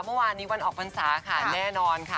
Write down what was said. เมื่อวานนี้วันออกพรรษาค่ะแน่นอนค่ะ